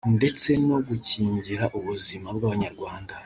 ndetse no gukingira ubuzima bw’Abanyarwanda